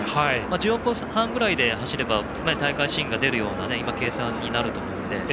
１４分半ぐらいで走れば大会新が出るような計算になると思うので。